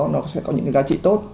nó sẽ có những giá trị tốt